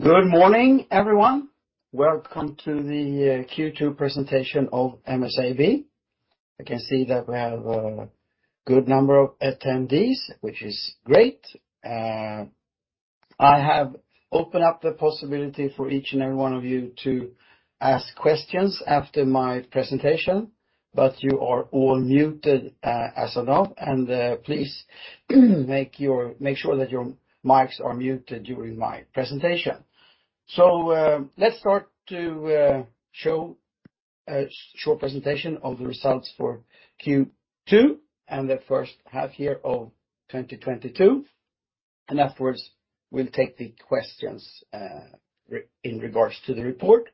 Good morning, everyone. Welcome to the Q2 presentation of MSAB. I can see that we have a good number of attendees, which is great. I have opened up the possibility for each and every one of you to ask questions after my presentation, but you are all muted as of now, and please make sure that your mics are muted during my presentation. Let's start to show a short presentation of the results for Q2 and the first half year of 2022. Afterwards, we'll take the questions in regards to the report.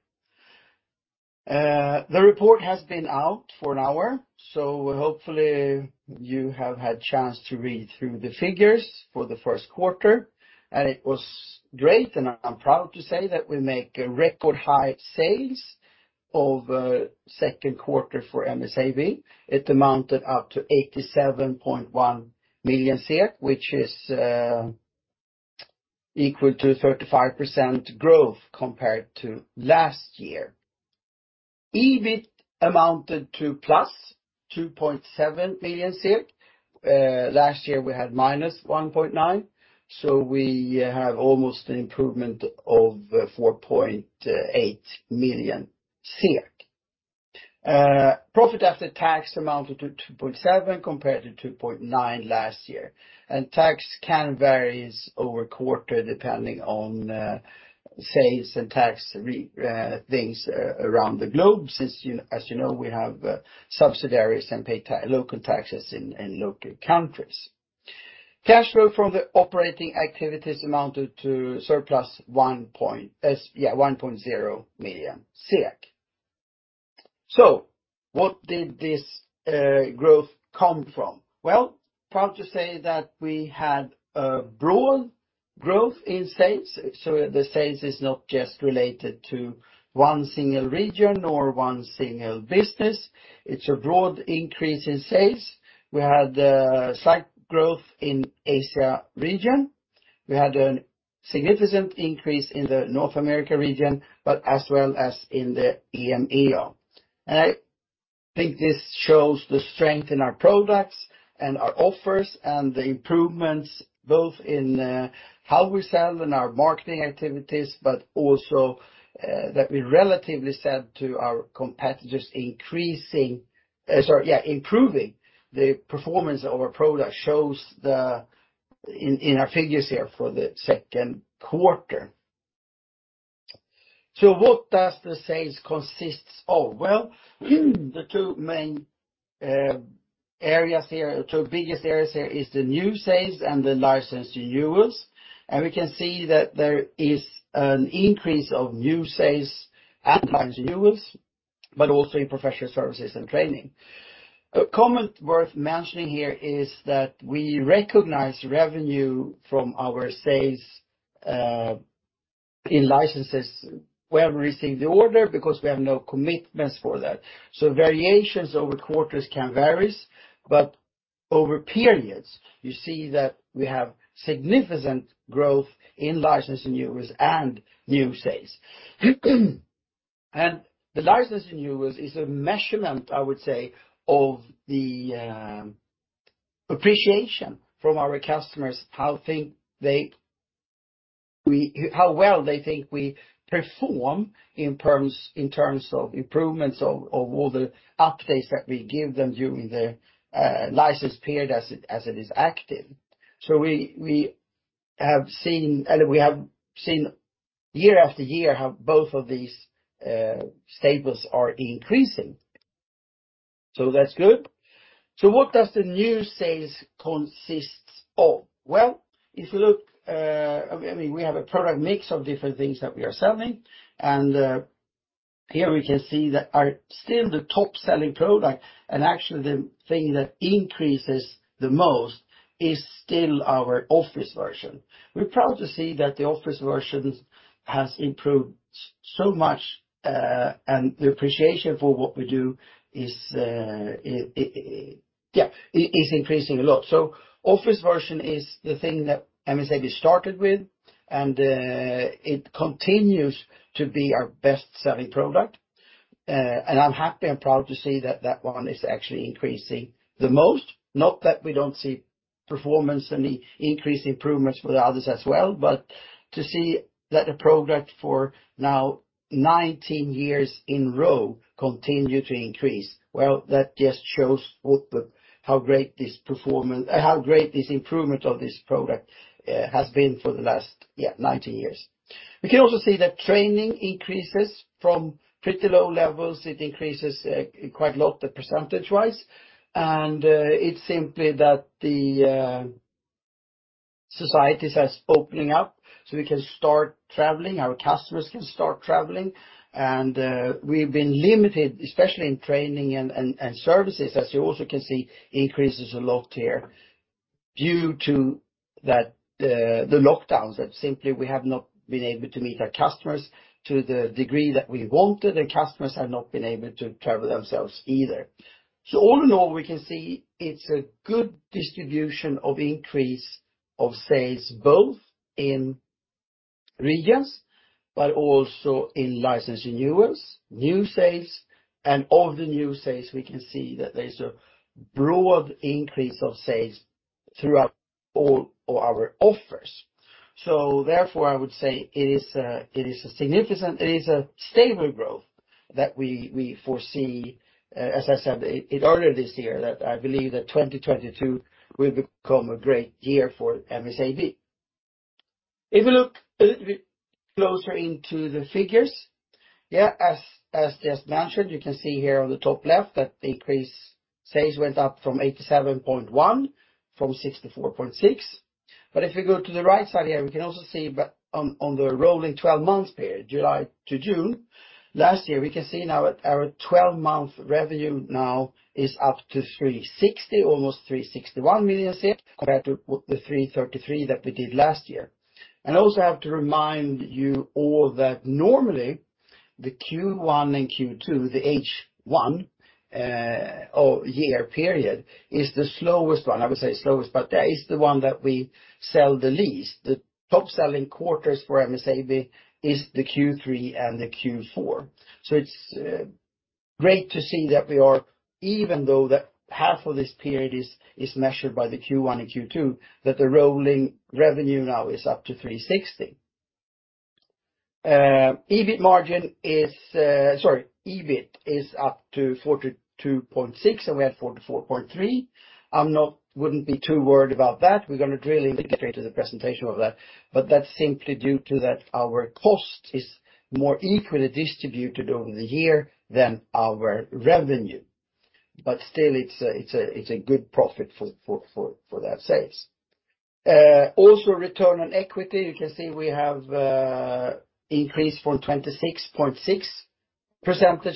The report has been out for an hour, so hopefully you have had chance to read through the figures for the first quarter. It was great, and I'm proud to say that we make a record-high sales of second quarter for MSAB. It amounted to 87.1 million, which is equal to 35% growth compared to last year. EBIT amounted to +2.7 million. Last year we had -1.9 million, so we have almost an improvement of 4.8 million. Profit after tax amounted to 2.7 million, compared to 2.9 million last year. Tax can vary over quarter depending on sales and tax-related things around the globe. As you know, we have subsidiaries and pay local taxes in local countries. Cash flow from the operating activities amounted to surplus 1.0 million. What did this growth come from? Well, proud to say that we had a broad growth in sales. The sales is not just related to one single region nor one single business. It's a broad increase in sales. We had slight growth in Asia region. We had a significant increase in the North America region, but as well as in the EMEA. I think this shows the strength in our products and our offers and the improvements both in how we sell and our marketing activities, but also that we, relative to our competitors, improving the performance of our product shows in our figures here for the second quarter. What does the sales consists of? Well, the two main areas here, the two biggest areas here is the new sales and the license renewals. We can see that there is an increase of new sales and license renewals, but also in professional services and training. A comment worth mentioning here is that we recognize revenue from our sales in licenses when we receive the order because we have no commitments for that. Variations over quarters can vary, but over periods you see that we have significant growth in license renewals and new sales. The license renewals is a measurement, I would say, of the appreciation from our customers, how well they think we perform in terms of improvements of all the updates that we give them during the license period as it is active. We have seen year after year how both of these staples are increasing. That's good. What does the new sales consist of? Well, if you look, I mean, we have a product mix of different things that we are selling. Here we can see that XRY Office is still the top-selling product, and actually the thing that increases the most is still our XRY Office. We're proud to see that the XRY Office has improved so much, and the appreciation for what we do is increasing a lot. XRY Office is the thing that MSAB started with, and it continues to be our best-selling product. I'm happy and proud to see that that one is actually increasing the most. Not that we don't see performance and increased improvements with others as well, but to see that a product for now 19 years in a row continue to increase, well, that just shows how great this improvement of this product has been for the last 19 years. We can also see that training increases from pretty low levels. It increases quite a lot percentage-wise. It's simply that the societies has opening up, so we can start traveling, our customers can start traveling. We've been limited, especially in training and services, as you also can see increases a lot here due to the lockdowns that simply we have not been able to meet our customers to the degree that we wanted, and customers have not been able to travel themselves either. All in all, we can see it's a good distribution of increase of sales, both in regions, but also in license renewals, new sales, and of the new sales, we can see that there's a broad increase of sales throughout all of our offers. Therefore, I would say it is a significant, stable growth that we foresee, as I said, earlier this year, that I believe that 2022 will become a great year for MSAB. If you look a little bit closer into the figures, as just mentioned, you can see here on the top left that sales increased from 64.6-87.1. If you go to the right side here, we can also see on the rolling twelve months period, July to June last year, we can see now our twelve-month revenue now is up to 360, almost 361 million, compared to the 333 that we did last year. I also have to remind you all that normally the Q1 and Q2, the H1 or year period is the slowest one. I would say slowest, but that is the one that we sell the least. The top-selling quarters for MSAB is the Q3 and the Q4. It's great to see that we are, even though that half of this period is measured by the Q1 and Q2, that the rolling revenue now is up to 360. EBIT margin is- Sorry, EBIT is up to 42.6%, and we had 44.3%. I wouldn't be too worried about that. We're gonna really illustrate in the presentation of that. That's simply due to that our cost is more equally distributed over the year than our revenue. Still, it's a good profit for that sales. Also return on equity. You can see we have increased from 26.6%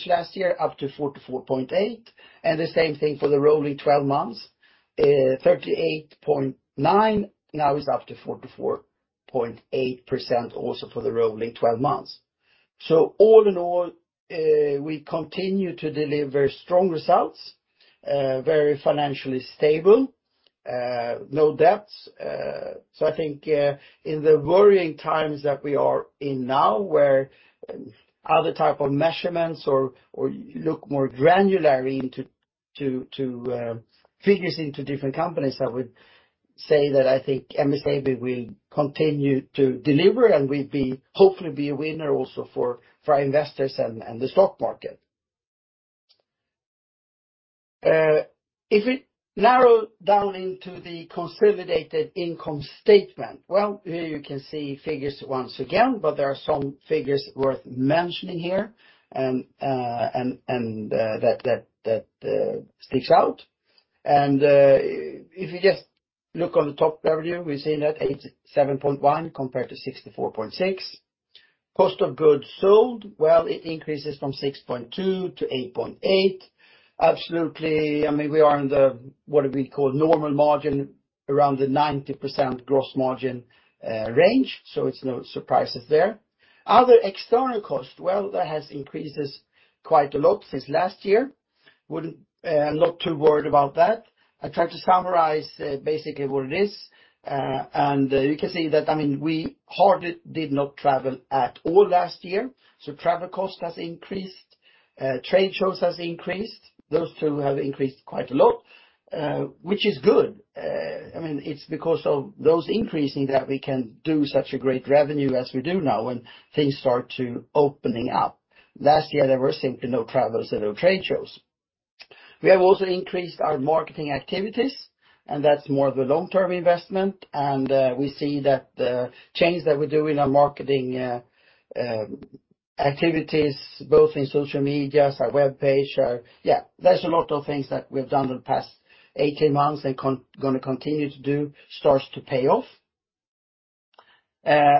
last year up to 44.8%, and the same thing for the rolling twelve months. 38.9% now is up to 44.8% also for the rolling twelve months. All in all, we continue to deliver strong results, very financially stable, no debts. I think in the worrying times that we are in now, where other type of measurements or look more granularly into figures into different companies, I would say that I think MSAB will continue to deliver, and we'll hopefully be a winner also for our investors and the stock market. If we narrow down into the consolidated income statement, well, here you can see figures once again, but there are some figures worth mentioning here and that sticks out. If you just look on the top revenue, we're seeing that 87.1 compared to 64.6. Cost of goods sold, well, it increases from 6.2-8.8. Absolutely, I mean, we are in the, what do we call, normal margin around the 90% gross margin range, so it's no surprise there. Other external costs, well, that has increased quite a lot since last year. Not too worried about that. I tried to summarize basically what it is. You can see that, I mean, we hardly did not travel at all last year, so travel cost has increased, trade shows has increased. Those two have increased quite a lot, which is good. I mean, it's because of those increases that we can do such a great revenue as we do now when things start to open up. Last year, there were simply no travels and no trade shows. We have also increased our marketing activities, and that's more of a long-term investment. We see that the change that we do in our marketing activities, both in social media, our webpage. There's a lot of things that we've done in the past 18 months and gonna continue to do, starts to pay off.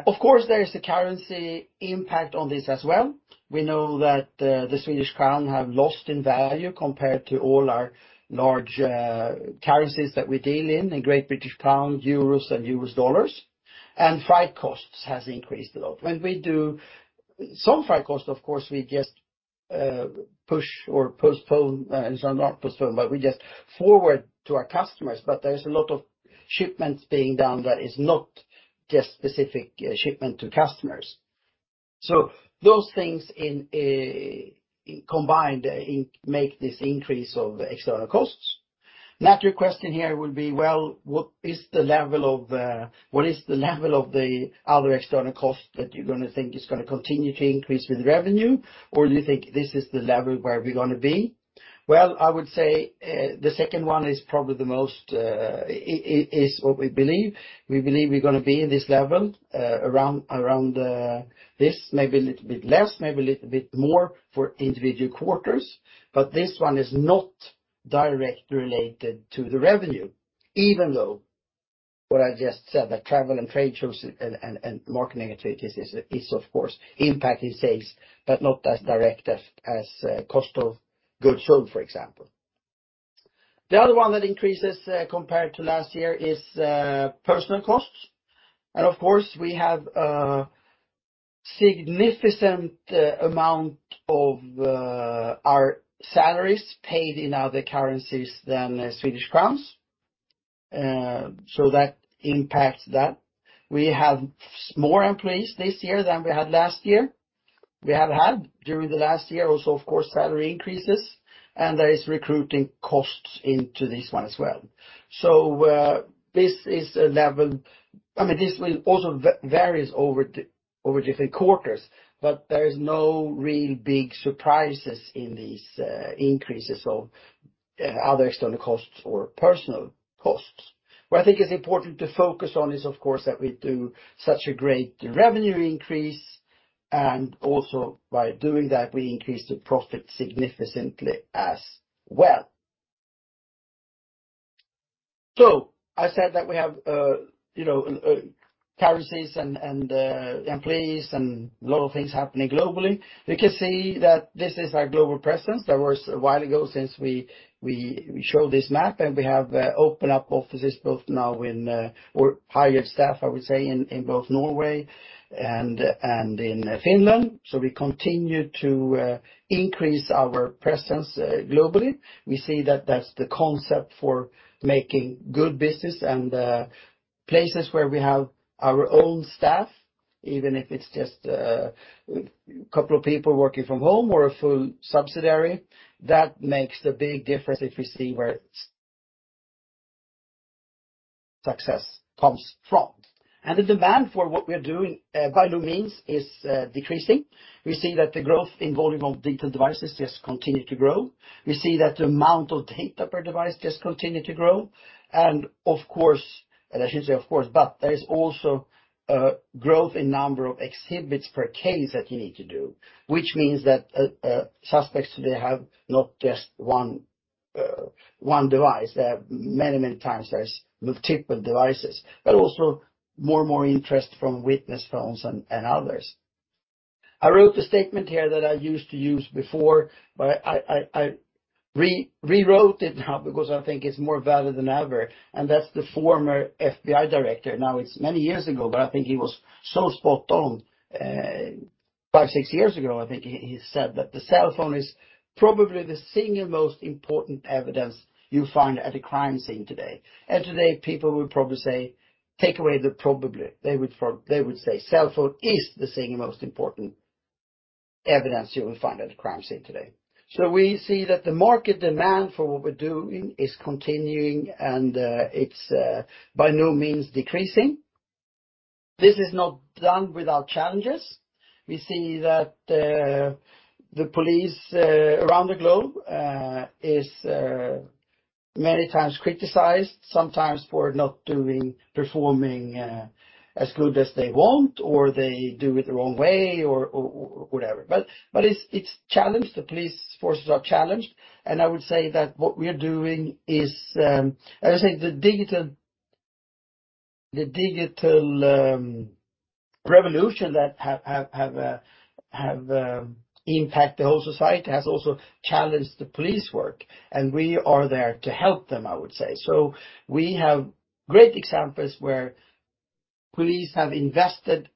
Of course, there is a currency impact on this as well. We know that the Swedish crown have lost in value compared to all our large currencies that we deal in, great British pound, euros, and U.S. dollars. Freight costs has increased a lot. Some freight costs, of course, we just push or postpone, so not postpone, but we just forward to our customers. There's a lot of shipments being done that is not just specific shipment to customers. Those things in combination make this increase of external costs. A natural question here would be, well, what is the level of the other external costs that you're gonna think is gonna continue to increase with revenue? Or do you think this is the level where we're gonna be? Well, I would say the second one is probably the most is what we believe. We believe we're gonna be in this level around this, maybe a little bit less, maybe a little bit more for individual quarters. This one is not directly related to the revenue, even though what I just said, that travel and trade shows and marketing activities is of course impacting sales, but not as direct as cost of goods sold, for example. The other one that increases, compared to last year, is personnel costs. Of course, we have a significant amount of our salaries paid in other currencies than Swedish crowns, so that impacts that. We have more employees this year than we had last year. We have had, during the last year also, of course, salary increases, and there is recruiting costs into this one as well. I mean, this will also varies over different quarters, but there is no real big surprises in these increases of other external costs or personnel costs. What I think is important to focus on is, of course, that we do such a great revenue increase, and also by doing that, we increase the profit significantly as well. I said that we have you know currencies and employees and a lot of things happening globally. We can see that this is our global presence. That was a while ago since we showed this map, and we have opened up offices both now in or hired staff, I would say, in both Norway and in Finland. We continue to increase our presence globally. We see that that's the concept for making good business and places where we have our own staff, even if it's just a couple of people working from home or a full subsidiary, that makes the big difference if we see where success comes from. The demand for what we are doing by no means is decreasing. We see that the growth in volume of digital devices just continue to grow. We see that the amount of data per device just continue to grow. Of course, and I shouldn't say of course, but there is also growth in number of exhibits per case that you need to do, which means that suspects they have not just one device. They have many, many times there's multiple devices, but also more and more interest from witness phones and others. I wrote a statement here that I used to use before, but I rewrote it now because I think it's more valid than ever, and that's the former FBI director. Now, it's many years ago, but I think he was so spot on, five, six years ago. I think he said that the cell phone is probably the single most important evidence you'll find at a crime scene today. Today, people would probably say, take away the probably. They would say cell phone is the single most important evidence you will find at a crime scene today. We see that the market demand for what we're doing is continuing, and it's by no means decreasing. This is not done without challenges. We see that the police around the globe is many times criticized sometimes for not performing as good as they want or they do it the wrong way or whatever. It's challenged. The police forces are challenged, and I would say that what we are doing is, as I said, the digital revolution that has impacted the whole society has also challenged the police work, and we are there to help them, I would say. We have great examples where police have invested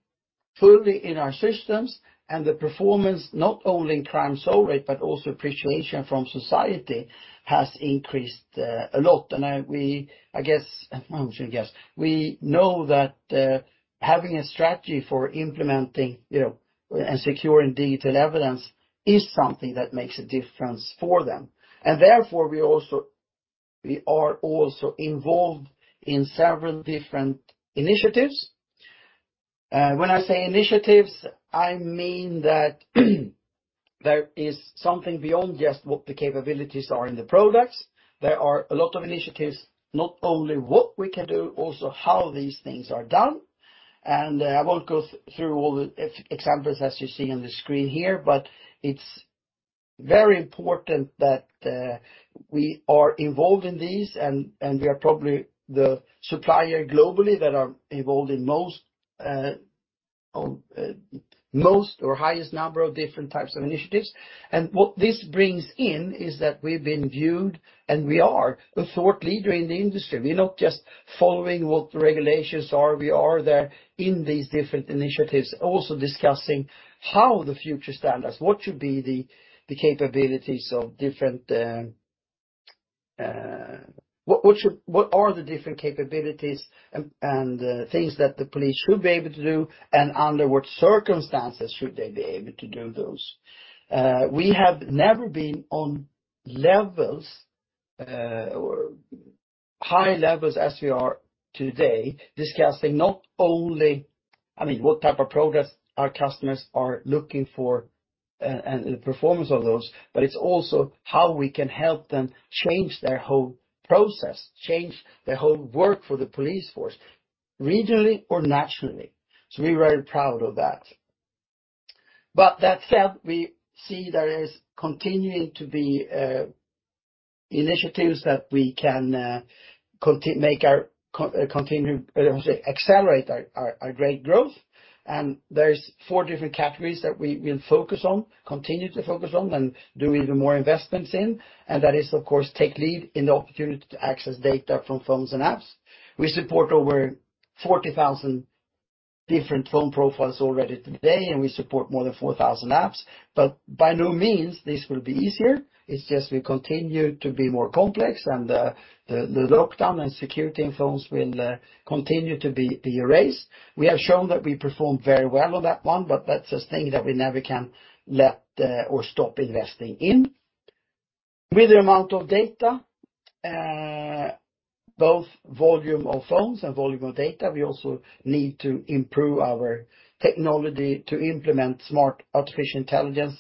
fully in our systems and the performance, not only in crime solve rate, but also appreciation from society has increased a lot. We know that having a strategy for implementing, you know, and securing digital evidence is something that makes a difference for them. Therefore, we are also involved in several different initiatives. When I say initiatives, I mean that there is something beyond just what the capabilities are in the products. There are a lot of initiatives, not only what we can do, also how these things are done. I won't go through all the examples as you see on the screen here, but it's very important that we are involved in these, and we are probably the supplier globally that are involved in most or highest number of different types of initiatives. What this brings in is that we've been viewed, and we are a thought leader in the industry. We're not just following what the regulations are. We are there in these different initiatives, also discussing how the future standards, what should be the capabilities of different, what are the different capabilities and things that the police should be able to do, and under what circumstances should they be able to do those. We have never been on levels or high levels as we are today, discussing not only, I mean, what type of progress our customers are looking for and the performance of those, but it's also how we can help them change their whole process, change their whole work for the police force, regionally or nationally. We're very proud of that. That said, we see there is continuing to be initiatives that we can continue, I would say, accelerate our great growth. There is 4 different categories that we will focus on, continue to focus on, and do even more investments in. That is, of course, take lead in the opportunity to access data from phones and apps. We support over 40,000 different phone profiles already today, and we support more than 4,000 apps. But by no means this will be easier. It's just will continue to be more complex and the lockdown and security influence will continue to be increased. We have shown that we performed very well on that one, but that's a thing that we never can let or stop investing in. With the amount of data, both volume of phones and volume of data, we also need to improve our technology to implement smart artificial intelligence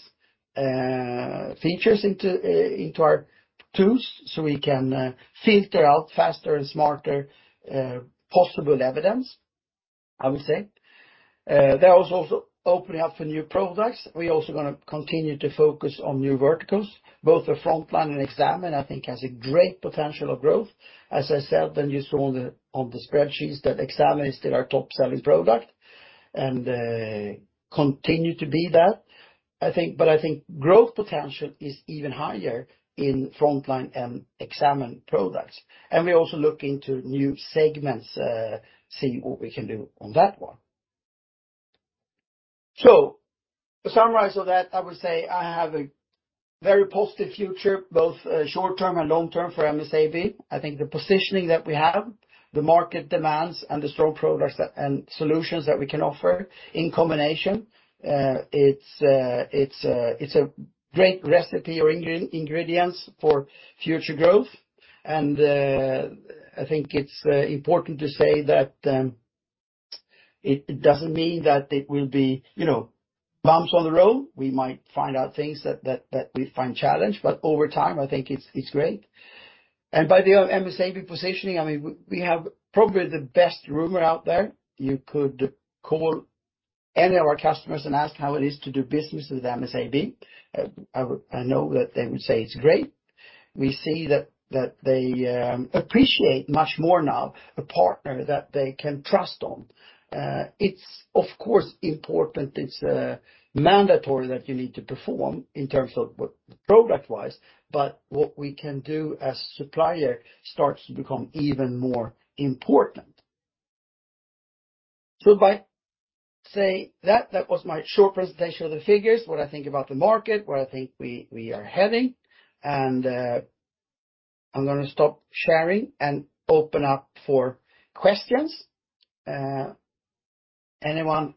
features into our tools so we can filter out faster and smarter possible evidence, I would say. There was also opening up for new products. We're also gonna continue to focus on new verticals. Both the Frontline and XAMN, and I think has a great potential of growth. As I said, and you saw on the spreadsheets, that XAMN is still our top selling product, and continue to be that, I think. I think growth potential is even higher in Frontline XAMN products. We also look into new segments, see what we can do on that one. To summarize all that, I would say I have a very positive future, both short-term and long-term for MSAB. I think the positioning that we have, the market demands, and the strong products and solutions that we can offer in combination, it's a great recipe or ingredients for future growth. I think it's important to say that it doesn't mean that it will be, you know, bumps on the road. We might find out things that we find challenging, but over time, I think it's great. By the MSAB positioning, I mean, we have probably the best reputation out there. You could call any of our customers and ask how it is to do business with MSAB. I know that they would say it's great. We see that they appreciate much more now a partner that they can trust on. It's, of course, important. It's mandatory that you need to perform in terms of what the product was, but what we can do as supplier starts to become even more important. By saying that was my short presentation of the figures, what I think about the market, where I think we are heading. I'm gonna stop sharing and open up for questions. Anyone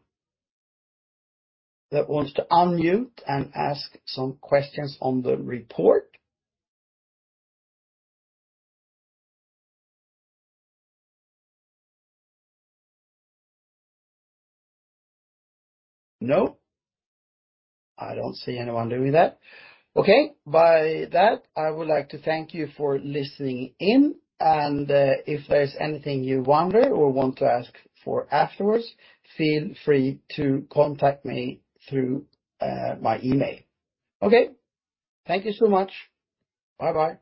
that wants to unmute and ask some questions on the report? No. I don't see anyone doing that. Okay. By that, I would like to thank you for listening in. If there's anything you wonder or want to ask for afterwards, feel free to contact me through my email. Okay. Thank you so much. Bye-bye.